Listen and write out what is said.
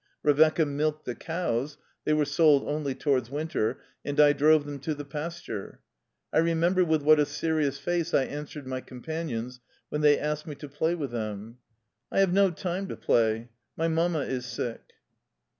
Revecca milked the cows (they were sold only towards winter), and I drove them to the pasture. I remember with what a serious face I answered my com panions when they asked me to play with them : "I have no time to play. My mamma is sick."